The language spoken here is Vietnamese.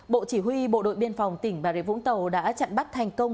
bộ chỉ huy bộ đội biên phòng tỉnh bà rịa vũng tàu đã chặn bắt thành công